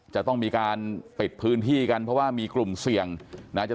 จะต้องมีการปิดพื้นที่กันเพราะว่ามีกลุ่มเสี่ยงนะ